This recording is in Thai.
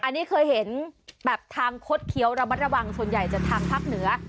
อันนี้เคยเห็นแบบทางคดเคี้ยวระมัดระวังส่วนใหญ่จากทางภาคเหนือ